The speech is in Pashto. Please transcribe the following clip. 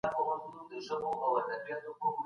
ايا ته هم په دې باور يې چي کتاب نړۍ بدلوي؟